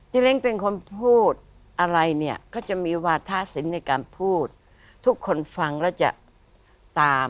เล้งเป็นคนพูดอะไรเนี่ยก็จะมีวาทะสินในการพูดทุกคนฟังแล้วจะตาม